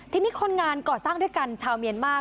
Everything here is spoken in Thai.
ทีนี้คนงานก่อสร้างด้วยกันชาวเมียนมาร์